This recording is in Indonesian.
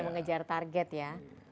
mengejar target ya